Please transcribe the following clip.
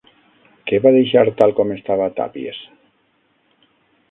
Què va deixar tal com estava Tàpies?